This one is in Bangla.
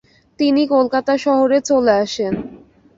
তিনি কলকাতা শহরে চলে আসেন ।